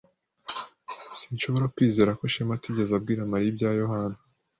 Sinshobora kwizera ko Shema atigeze abwira Mariya ibya Yohana.